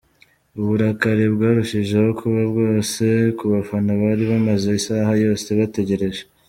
Uburakari bwarushijeho kuba bwose ku bafana bari bamaze isaha yose bategereje.